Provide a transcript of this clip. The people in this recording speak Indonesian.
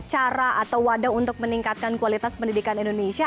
cara atau wadah untuk meningkatkan kualitas pendidikan indonesia